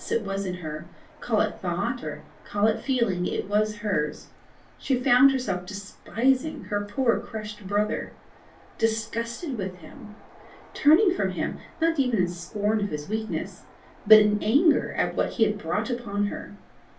it was in her call it thought, or call it feeling, it was hers! she found herself despising her poor crushed brother! disgusted with him! turning from him, not even in scorn of his weakness, but in anger at what he had brought upon her!